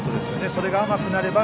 それが甘くなれば